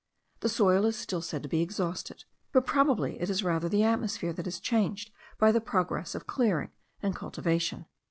The soil is still said to be exhausted; but probably it is rather the atmosphere that is changed by the progress of clearing and cultivation.